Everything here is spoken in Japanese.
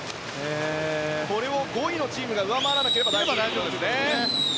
これを５位のチームが上回らなければ大丈夫ですね。